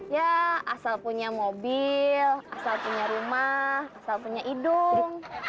ya asal punya mobil asal punya rumah asal punya hidung